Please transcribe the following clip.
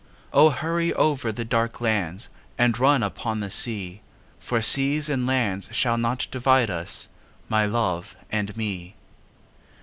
O, hurry over the dark lands And run upon the sea For seas and lands shall not divide us, My love and me.